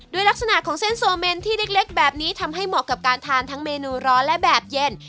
ลักษณะของเส้นโซเมนที่เล็กแบบนี้ทำให้เหมาะกับการทานทั้งเมนูร้อนและแบบเย็น